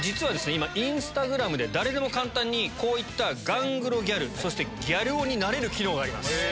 今インスタグラムで誰でも簡単にこういったガングロギャルそしてギャル男になれる機能があります。